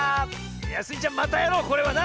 いやスイちゃんまたやろうこれはな！